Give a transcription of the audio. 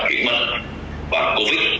chuyển mơ và covid